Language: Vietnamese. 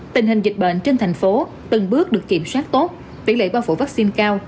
tình hình dịch bệnh trên thành phố từng bước được kiểm soát tốt tỷ lệ bao phủ vaccine cao